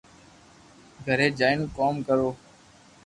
گھري جائين ڪوم ڪرو